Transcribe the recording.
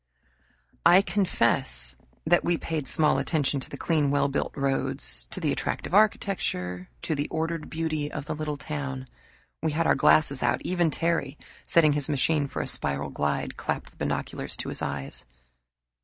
I confess that we paid small attention to the clean, well built roads, to the attractive architecture, to the ordered beauty of the little town. We had our glasses out; even Terry, setting his machine for a spiral glide, clapped the binoculars to his eyes.